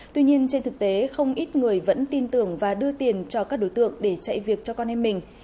tuy nhiên trên thực tế không ít người vẫn tin tưởng và đưa tiền cho các đối tượng để chạy việc cho con em mình